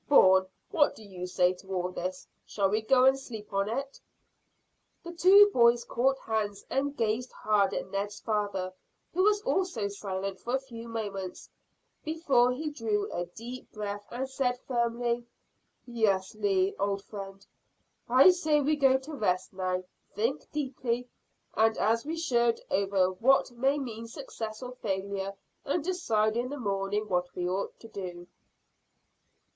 "Bourne, what do you say to all this shall we go and sleep on it?" The two boys caught hands and gazed hard at Ned's father, who was also silent for a few moments, before he drew a deep breath and said firmly "Yes, Lee, old friend, I say let us go to rest now, think deeply, and as we should, over what may mean success or failure, and decide in the morning what we ought to do."